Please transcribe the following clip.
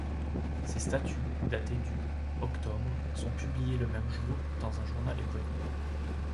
Ses statuts, datés du octobre, sont publiés le même jour dans un journal éponyme.